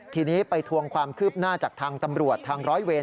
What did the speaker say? ทีนี้ไปทวงความคืบหน้าจากทางตำรวจทางร้อยเวร